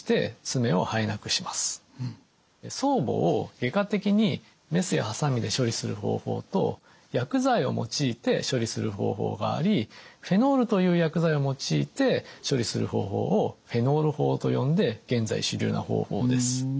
爪母を外科的にメスやはさみで処理する方法と薬剤を用いて処理する方法がありフェノールという薬剤を用いて処理する方法をフェノール法と呼んで現在主流な方法です。